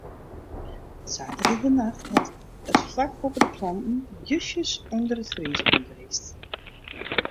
Saterdeitenacht hat it flak boppe de planten justjes ûnder it friespunt west.